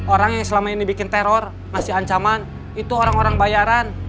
orang yang selama ini bikin teror ngasih ancaman itu orang orang bayaran